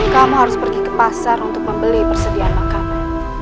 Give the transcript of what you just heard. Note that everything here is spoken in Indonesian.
kamu harus pergi ke pasar untuk membeli persediaan makanan